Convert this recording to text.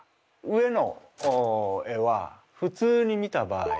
上の絵はふつうに見た場合。